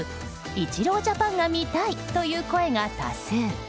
イチロージャパンが見たいという声が多数。